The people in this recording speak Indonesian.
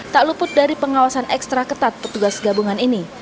tak luput dari pengawasan ekstra ketat petugas gabungan ini